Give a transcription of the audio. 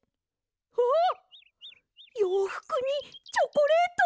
あっようふくにチョコレート！